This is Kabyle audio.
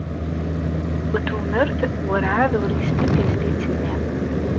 Utumert werɛad ur yesli tizlit-nni.